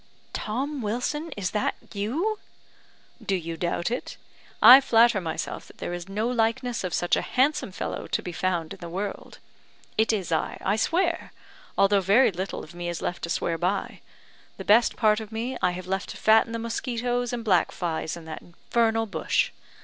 "Tom Wilson, is that you?" "Do you doubt it? I flatter myself that there is no likeness of such a handsome fellow to be found in the world. It is I, I swear! although very little of me is left to swear by. The best part of me I have left to fatten the mosquitoes and black flies in that infernal bush.